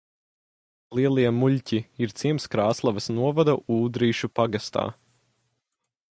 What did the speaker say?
Lielie Muļķi ir ciems Krāslavas novada Ūdrīšu pagastā.